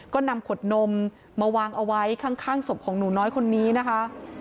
ก็นำขวดนมมาวางเอาไว้ข้างศพของหนูน้อยคนนี้นะคะ